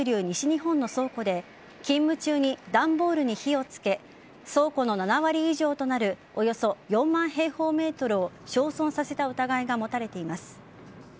西日本の倉庫で勤務中に段ボールに火をつけ倉庫の７割以上となるおよそ４万平方メートルを焼損させた疑いが持たれています。